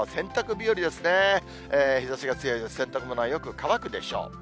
日ざしが強いので、洗濯物はよく乾くでしょう。